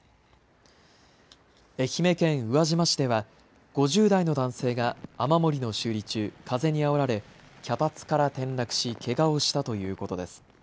愛媛県宇和島市では５０代の男性が雨漏りの修理中、風にあおられ脚立から転落しけがをしたということです。